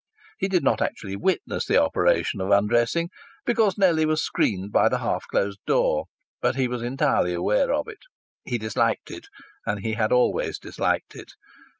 He did not actually witness this operation of undressing, because Nellie was screened by the half closed door; but he was entirely aware of it. He disliked it, and he had always disliked it.